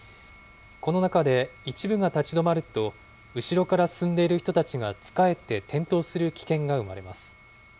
この中で、一部が立ち止まると、後ろから進んでいる人たちがつかえて転倒する危険が生まれます。